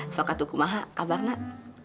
suakatu kumaha kabar nak